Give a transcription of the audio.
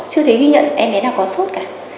chưa thấy ghi nhận em bé nào có sốt cả